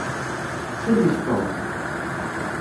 Sellek Tom!